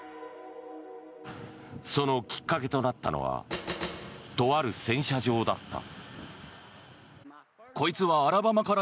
そのきっかけとなったのはとある洗車場だった。